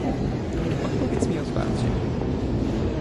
"Odpowiedz mi otwarcie."